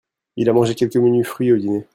Il a mangé quelques menus fruits au dîner.